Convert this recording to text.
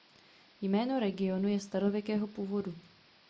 Jméno regionu je starověkého původu.